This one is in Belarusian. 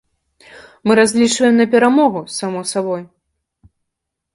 Мы разлічваем на перамогу, само сабой.